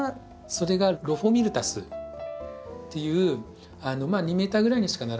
それがロフォミルタスっていうまあ２ｍぐらいにしかならない。